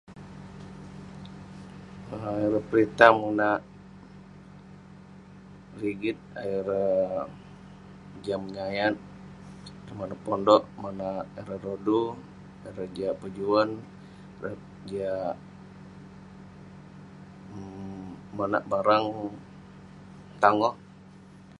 um Ireh peritah monak rigit ayuk ireh jam, [unintelligible] manouk pondok monak ireh rodu ayuk ireh jiak pejuan, jiak um monak barang tangoh.